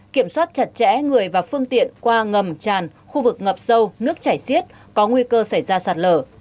kiểm soát chặt chẽ người và phương tiện qua ngầm tràn khu vực ngập sâu nước chảy xiết có nguy cơ xảy ra sạt lở